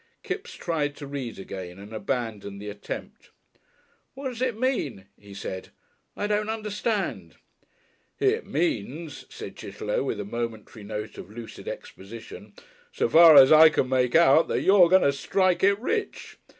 Kipps tried to read again and abandoned the attempt. "What does it mean?" he said. "I don't understand." "It means," said Chitterlow, with a momentary note of lucid exposition, "so far as I can make out that you're going to strike it Rich.